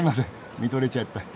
見とれちゃった。